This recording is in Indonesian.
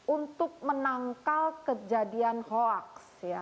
untuk menangkal kejadian hoax